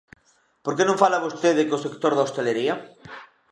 ¿Por que non fala vostede co sector da hostalería?